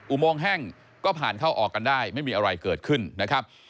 อุโมงแห้งก็ผ่านเข้าออกกันได้ไม่มีอะไรเกิดขึ้นนะครับ